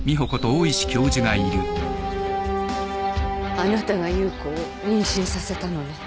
あなたが夕子を妊娠させたのね。